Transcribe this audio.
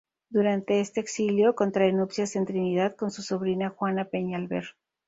Durante este exilio contrae nupcias en Trinidad con su sobrina Juana Peñalver.